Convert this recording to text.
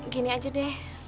gini aja deh